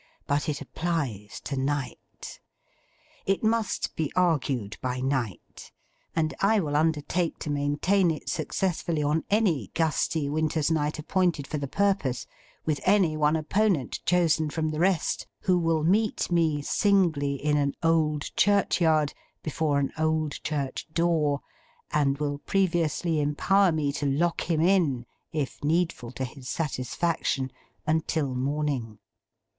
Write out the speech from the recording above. But it applies to Night. It must be argued by night, and I will undertake to maintain it successfully on any gusty winter's night appointed for the purpose, with any one opponent chosen from the rest, who will meet me singly in an old churchyard, before an old church door; and will previously empower me to lock him in, if needful to his satisfaction, until morning.